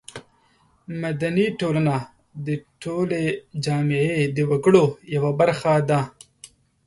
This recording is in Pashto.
مدني ټولنه د ټولې جامعې د وګړو یوه برخه ده.